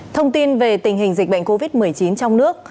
thông tin về tình hình dịch bệnh covid một mươi chín trong nước